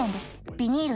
ビニール